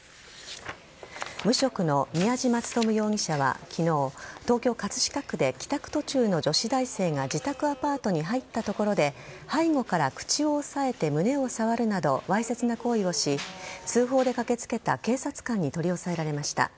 無職の宮嶋力容疑者は昨日、東京・葛飾区で帰宅途中の女子大生が自宅アパートに入ったところで背後から口を押さえて胸を触るなどわいせつな行為をし通報で駆けつけた警察官に取り押さえられました。